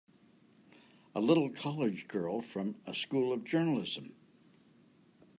A little college girl from a School of Journalism!